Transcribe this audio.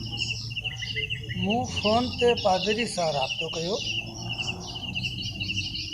موݩ ڦون تي پآڌريٚ سآب سآݩ رآبتو ڪيو۔